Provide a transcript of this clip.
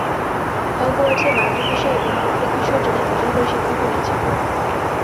হগওয়ার্টসে বারটি বিষয় এবং প্রত্যেক বিষয়ের জন্য একজন করে শিক্ষক রয়েছেন।